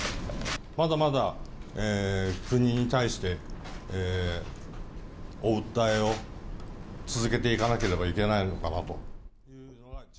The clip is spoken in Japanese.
まだまだ国に対してお訴えを続けていかなければいけないのかなと。